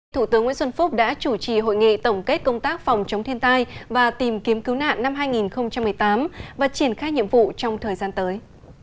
thủ tướng nguyễn xuân phúc đã chủ trì hội nghị tổng kết công tác phòng chống thiên tai và tìm kiếm cứu nạn năm hai nghìn một mươi tám và triển khai nhiệm vụ trong thời gian tới